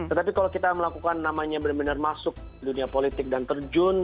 tetapi kalau kita melakukan namanya benar benar masuk dunia politik dan terjun